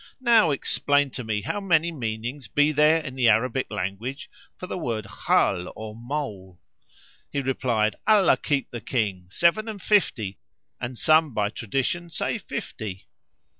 Now explain to me how many meanings be there in the Arabic language [FN#488] for the word Khal or mole." He replied, "Allah keep the King! Seven and fifty and some by tradition say fifty."